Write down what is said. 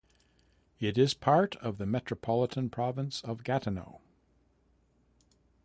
It is part of the Metropolitan Province of Gatineau.